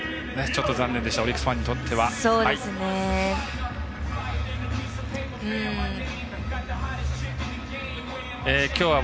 ちょっと残念でしたオリックスファンにとっては。